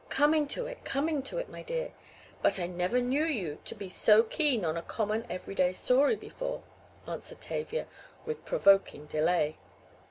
"Coming to it! Coming to it, my dear, but I never knew you to be so keen on a common, everyday story before," answered Tavia, with provoking delay.